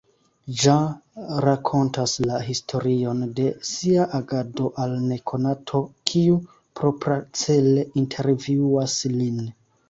Jean rakontas la historion de sia agado al nekonato, kiu propracele intervjuas lin.